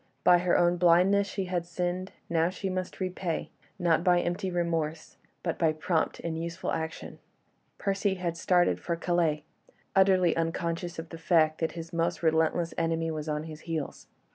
By her own blindness she had sinned; now she must repay, not by empty remorse, but by prompt and useful action. Percy had started for Calais, utterly unconscious of the fact that his most relentless enemy was on his heels.